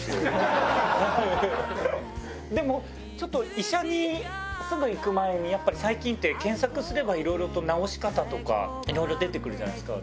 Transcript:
でもちょっと医者にすぐ行く前にやっぱり最近って検索すればいろいろと治し方とかいろいろ出てくるじゃないですか。